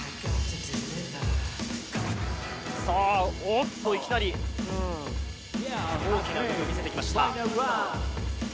おっと、いきなり大きな技を見せてきました。